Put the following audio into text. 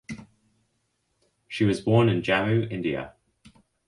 She was born in Jammu India.